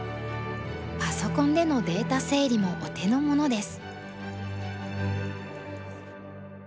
パソコンでのデータ整理もお手の物です。